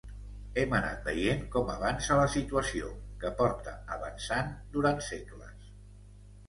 Hem anat veient com avança la situació, que porta avançant durant segles.